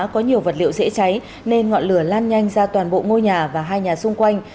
có nhiều vật liệu dễ cháy nên ngọn lửa lan nhanh ra toàn bộ ngôi nhà và hai nhà xung quanh